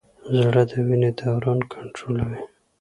زړه د وینې دوران کنټرولوي.